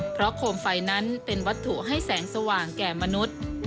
เพราะโคมไฟนั้นเป็นวัตถุให้แสงสว่างแก่มนุษย์